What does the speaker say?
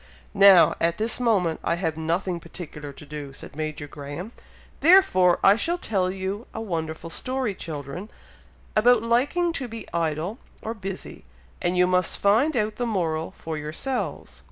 "Now, at this moment, I have nothing particular to do," said Major Graham, "therefore I shall tell you a wonderful story, children, about liking to be idle or busy, and you must find out the moral for yourselves."